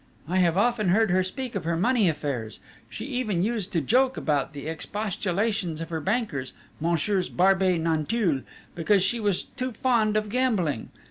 I have often heard her speak of her money affairs; she even used to joke about the expostulations of her bankers, Messieurs Barbey Nanteuil, because she was too fond of gambling.